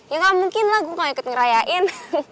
ya gak mungkin lah gua gak ikut ngerayain